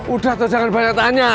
udah jangan banyak tanya